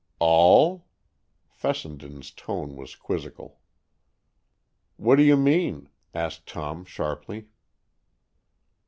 "All?" Fessenden's tone was quizzical. "What do you mean?" asked Tom sharply.